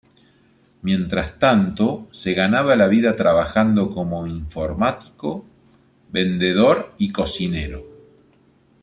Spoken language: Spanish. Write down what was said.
Mientras tanto se ganaba la vida trabajando como informático, vendedor y cocinero.